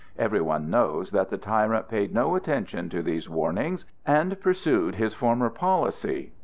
Every one knows that the tyrant paid no attention to these warnings and pursued his former policy.